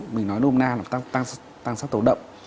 mình nói nôm na là tăng sắc tố động